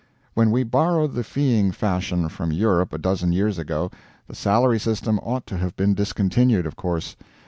When we borrowed the feeing fashion from Europe a dozen years ago, the salary system ought to have been discontinued, of course.